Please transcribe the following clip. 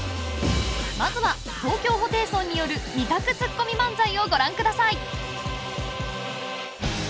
［まずは東京ホテイソンによる２択ツッコミ漫才をご覧ください］